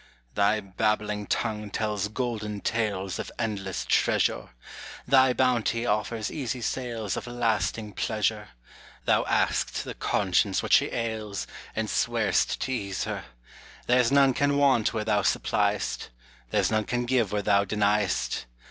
Thy babbling tongue tells golden tales Of endless treasure; Thy bounty offers easy sales Of lasting pleasure; Thou ask'st the conscience what she ails, And swear'st to ease her; There's none can want where thou supply'st; There's none can give where thou deny'st.